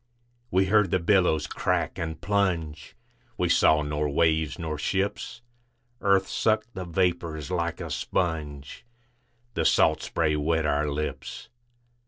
We heard the billows crack and plunge, We saw nor waves nor ships. Earth sucked the vapors like a sponge, The salt spray wet our lips.